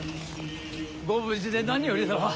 ご無事で何よりだわ。